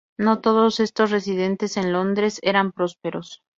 No todos estos residentes en Londres eran prósperos.